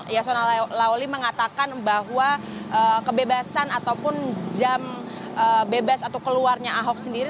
yasona lauli mengatakan bahwa kebebasan ataupun jam bebas atau keluarnya ahok sendiri